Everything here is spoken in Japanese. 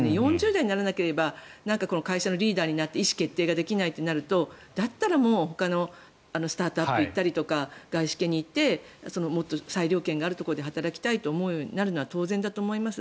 ４０代にならないと会社のリーダーになって意思決定ができないとなるとだったらほかのスタートアップに行ったりとか外資系に行ってもっと裁量権があるところで働きたくなるのは当然だと思います。